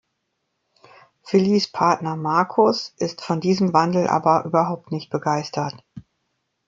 Willies Partner Marcus ist von diesem Wandel aber überhaupt nicht begeistert.